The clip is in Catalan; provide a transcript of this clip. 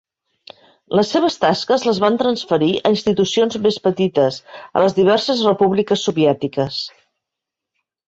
Les seves tasques les van transferir a institucions més petites a les diverses repúbliques soviètiques.